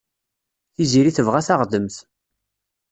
Tiziri tebɣa taɣdemt.